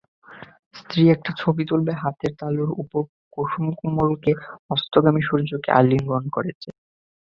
স্ত্রী একটা ছবি তুলবে হাতের তালুর ওপর কুসুমকোমল অস্তগামী সূর্যকে আলিঙ্গন করছে।